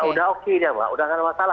udah oke dia mbak udah gak ada masalah